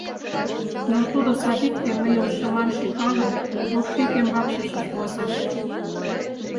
Но тудо, садикте мыйым шыман шӱкалын, воктекем вакшышыш возеш.